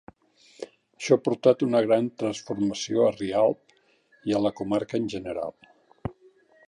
Això ha portat una gran transformació a Rialp i a la comarca en general.